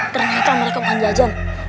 ternyata mereka bukan jajan